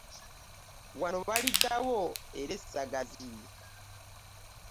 Wano waliddawo era essagazi .